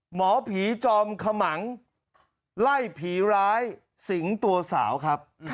หมอผีจอมขมังไล่ผีร้ายสิงตัวสาวครับ